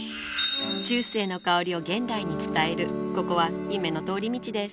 中世の薫りを現代に伝えるここは夢の通り道です